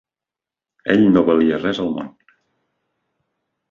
Ell no valia res al món.